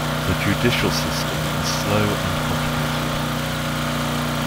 The judicial system is slow and complicated.